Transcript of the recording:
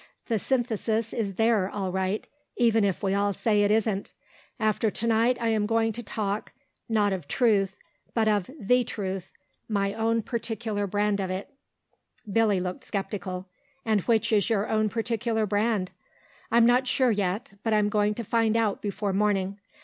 The synthesis is there all right, even if we all say it isn't.... After to night I am going to talk, not of Truth but of the Truth; my own particular brand of it." Billy looked sceptical. "And which is your own particular brand?" "I'm not sure yet. But I'm going to find out before morning.